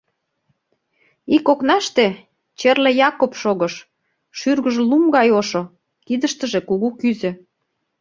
Ик окнаште Черле-Якоб шогыш, шӱргыжӧ лум гай ошо, кидыштыже кугу кӱзӧ.